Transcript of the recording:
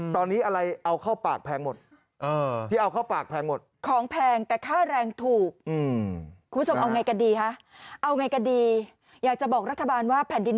ทอนหายใจเหือบใหญ่เลย